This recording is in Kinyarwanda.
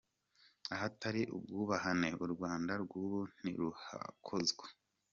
Ahatari ubwubahane, u Rwanda rw’ubu ntiruhakozwa.